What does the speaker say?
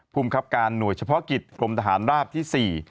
ภูมิครับการหน่วยเฉพาะกิจกรมทหารราบที่๔